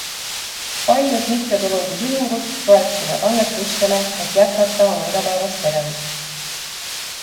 Paljud mittetulundusühingud toetuvad annetustele, et jätkata oma igapäevast tegevust